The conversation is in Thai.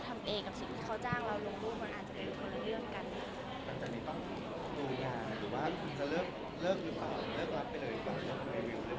เลิกรับไปเลยหรือเปล่าเลิกรับไปเลยหรือเปล่า